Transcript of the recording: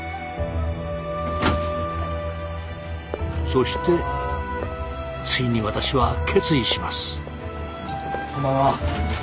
そしてついに私は決意します。